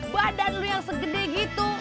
badan lu yang segede gitu